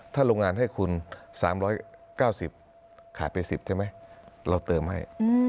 ถ้าโรงงานให้คุณ๓๙๐ขาดไป๑๐ใช่ไหมเราเติมให้